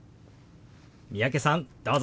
三宅さんどうぞ。